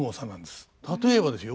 例えばですよ